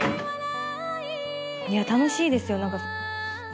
楽しいですよ。何か。